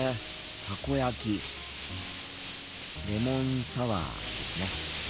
たこ焼きレモンサワーですね。